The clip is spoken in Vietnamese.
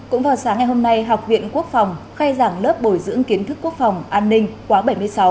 cũng vào sáng ngày hôm nay học viện quốc phòng khai giảng lớp bồi dưỡng kiến thức quốc phòng an ninh quá bảy mươi sáu